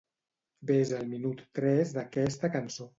Ves al minut tres d'aquesta cançó.